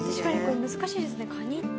難しいですね蟹って。